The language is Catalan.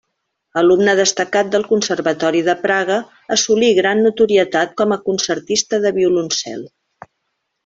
Alumne destacat del Conservatori de Praga assolí gran notorietat com a concertista de violoncel.